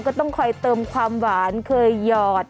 ก็ต้องคอยเติมความหวานเคยหยอด